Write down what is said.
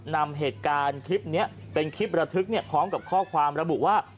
นำเหตุการณ์คลิปนี้เป็นคลิประทึกพร้อมกับข้อความระบุว่า